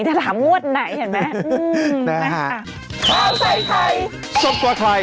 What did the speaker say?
เอามาจากไหนถ้าหามวดไหนเห็นไหม